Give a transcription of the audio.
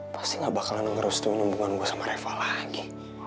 pasti gak bakalan ngerus tuh nyumbungan gue sama reva lagi